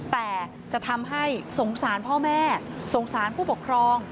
แต่จะทำให้สงสารพ่อแม่สงสารผู้ปกครอง